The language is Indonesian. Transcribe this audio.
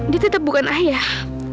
dia tetap bukan ayah